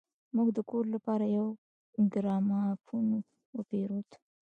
موږ د کور لپاره يو ګرامافون وپېرود.